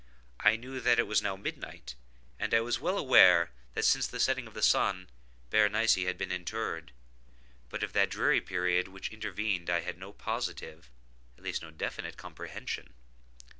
I knew that it was now midnight, and I was well aware, that since the setting of the sun, Berenice had been interred. But of that dreary period which intervened I had no positive, at least no definite comprehension.